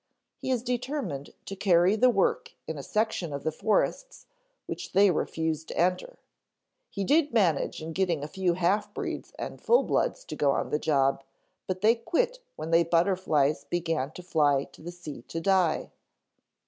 He is determined to carry the work in a section of the forests which they refuse to enter. He did manage in getting a few half breeds and full bloods to go on the job, but they quit when the butterflies began to fly to the sea to die.